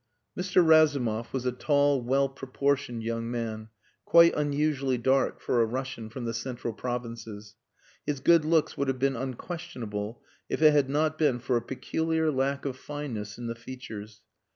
Mr. Razumov was a tall, well proportioned young man, quite unusually dark for a Russian from the Central Provinces. His good looks would have been unquestionable if it had not been for a peculiar lack of fineness in the features.